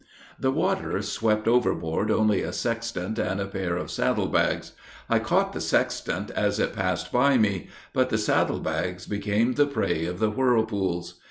The water swept overboard only a sextant and a pair of saddle bags. I caught the sextant as it passed by me; but the saddle bags became the prey of the whirlpools.